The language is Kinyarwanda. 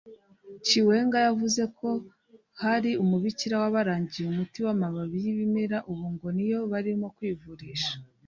Chiwenga yavuze ko hari umubikira wabarangiye umuti w’ amababi y’ ibimera ubu ngo niyo barimo kwivurisha